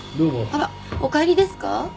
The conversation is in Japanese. あらお帰りですか？